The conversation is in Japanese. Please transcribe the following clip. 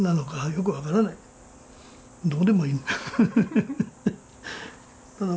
どうでもいいの。